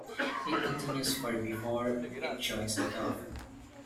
It continues for before it joins the Dove.